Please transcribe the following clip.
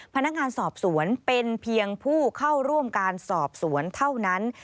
พนักงานสอบสวนเป็นเพียงผู้เข้าร่วมการสอบสวนเท่านั้น